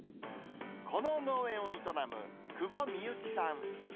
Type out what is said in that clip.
この農園を営む久保美幸さん。